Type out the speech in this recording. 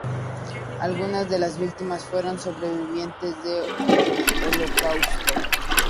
Algunas de las víctimas fueron sobrevivientes del Holocausto.